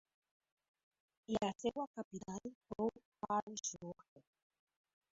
La seva capital fou Karlsruhe.